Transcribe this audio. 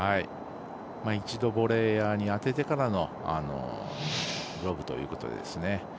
一度ボレーヤーに当ててからのロブということですね。